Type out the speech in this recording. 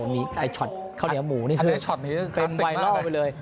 เป็นไวลอลไปเลย